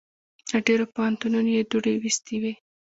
له ډېرو پوهنتونو یې دوړې ویستې وې.